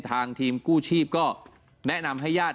ทางทีมกู้ชีพก็แนะนำให้ญาติ